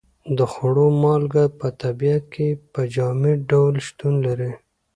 د خوړو مالګه په طبیعت کې په جامد ډول شتون لري.